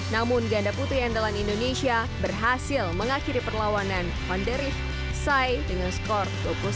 namun ganda putri yang dalam indonesia berhasil mengakhiri perlawanan honderif sai dengan skor dua puluh satu sembilan belas dua puluh satu sepuluh